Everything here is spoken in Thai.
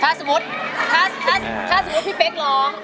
ถ้าสมมุติว่าพี่เป๊กร้อง